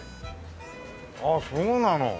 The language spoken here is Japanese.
あっそうなの。